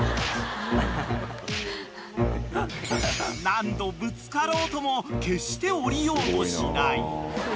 ［何度ぶつかろうとも決して降りようとしない］